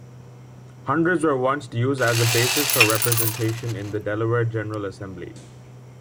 Hundreds were once used as a basis for representation in the Delaware General Assembly.